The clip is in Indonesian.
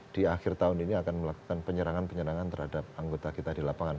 di akhir tahun ini akan melakukan penyerangan penyerangan terhadap anggota kita di lapangan